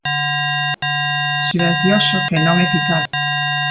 Silencioso, que non eficaz.